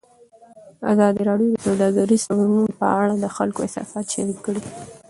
ازادي راډیو د سوداګریز تړونونه په اړه د خلکو احساسات شریک کړي.